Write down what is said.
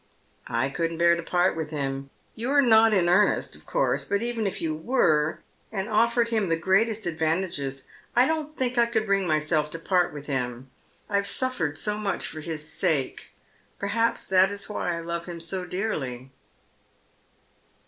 " I couldn't bear to part with him. You are not in earnest, of course, but even if you were, and ofEered him the greatest ad vantages, I don't think I could bring myself to part with him. t have suffered so much for his sake. Perhaps that is why I love him so dearly."